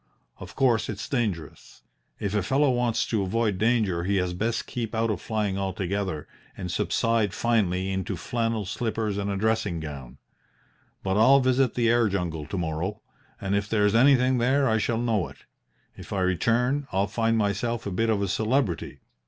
Of course, it's dangerous. If a fellow wants to avoid danger he had best keep out of flying altogether and subside finally into flannel slippers and a dressing gown. But I'll visit the air jungle to morrow and if there's anything there I shall know it. If I return, I'll find myself a bit of a celebrity.